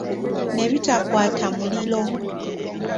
Ne bitakwata muliro.